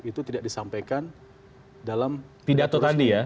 itu tidak disampaikan dalam pidato